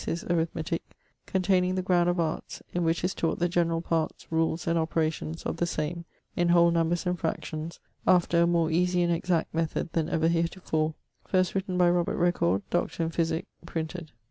his 'Arithmetick, containing the ground of arts in which is taught the general parts rules and operations of the same in whole numbers and fractions after a more easie and exact methode then ever heretofore, first written by Robert Record, Dr. in Phisick,' printed....